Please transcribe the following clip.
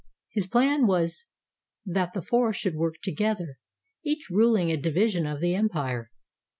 His plan was that the four should work together, each ruling a division of the empire.